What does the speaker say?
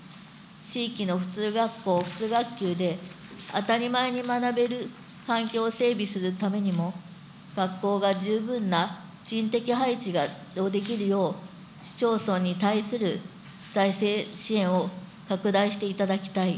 地域の普通学校、普通学級で当たり前に学べる環境を整備するためにも学校が十分な人的配置ができるよう、市町村に対する財政支援を拡大していただきたい。